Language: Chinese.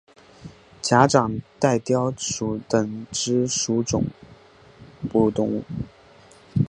假掌袋貂属等之数种哺乳动物。